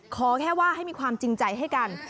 ขอแค่ว่าให้มีความจริงใจให้กัน